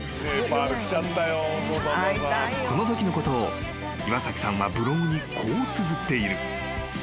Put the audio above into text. ［このときのことを岩崎さんはブログにこうつづっている］